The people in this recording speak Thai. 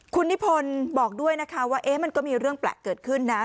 คุณนิพนธ์บอกด้วยนะคะว่ามันก็มีเรื่องแปลกเกิดขึ้นนะ